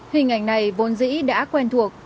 hình ảnh này vốn dĩ đã quen thuộc